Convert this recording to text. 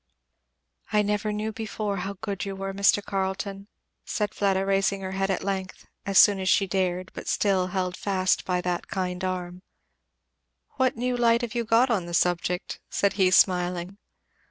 "I never knew before how good you were, Mr. Carleton," said Fleda raising her head at length, as soon as she dared, but still held fast by that kind arm. "What new light have you got on the subject?" said he, smiling.